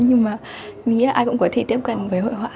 nhưng mà mình nghĩ là ai cũng có thể tiếp cận với hội họa